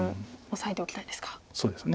そうですね。